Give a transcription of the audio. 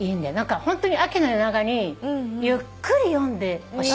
ホントに秋の夜長にゆっくり読んでほしいって感じ。